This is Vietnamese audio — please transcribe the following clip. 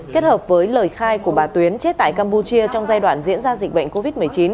kết hợp với lời khai của bà tuyến chết tại campuchia trong giai đoạn diễn ra dịch bệnh covid một mươi chín